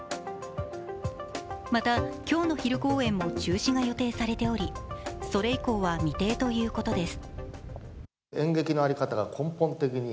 また今日の昼公演も中止が予定されておりそれ以降は未定ということです。